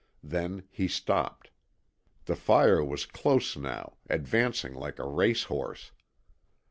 Then he stopped. The fire was close now, advancing like a race horse.